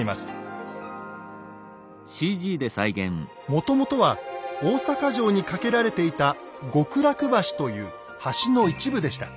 もともとは大坂城に架けられていた「極楽橋」という橋の一部でした。